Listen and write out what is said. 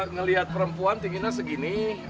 melihat perempuan tingginya segini